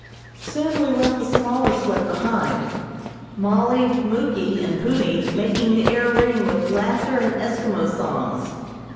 Soon we left the smaller sled behind; Mollie, Muky and Punni making the air ring with laughter and Eskimo songs.